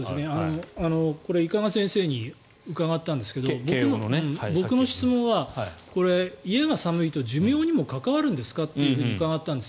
これ伊香賀先生に伺ったんですけど僕の質問は、家が寒いと寿命にも関わるんですかって伺ったんです。